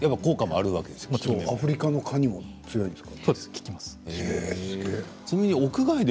アフリカの蚊にも強いんですか？